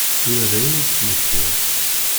Ula dayen i d-ttmektiɣ.